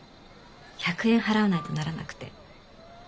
１００円払わないとならなくて。